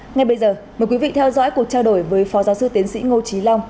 ngay bây giờ mời quý vị theo dõi cuộc trao đổi với phó giáo sư tiến sĩ ngô trí long